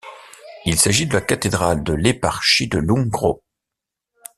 Il s'agit de la cathédrale de l'éparchie de Lungro.